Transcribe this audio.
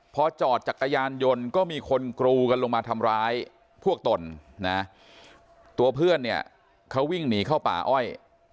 พอจอดจักรยานยนต์ก็มีคนกรูกันลงมาทำร้ายพวกตนนะตัวเพื่อนเนี่ยเขาวิ่งหนีเข้าป่าอ้อย